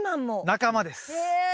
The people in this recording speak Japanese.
仲間です。